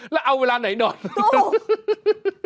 แล้วเอาเวลาไหนนอนแล้วก็